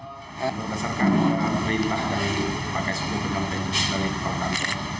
berdasarkan perintah dari pakai soekarno karteng dari kepala kampung